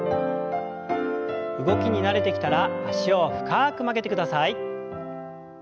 動きに慣れてきたら脚を深く曲げてください。